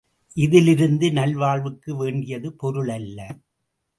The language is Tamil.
இதிலிருந்து நலவாழ்வுக்கு வேண்டியது பொருள் அல்ல.